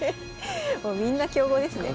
みんな強豪ですね。